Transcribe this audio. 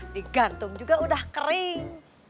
digantung juga udah kering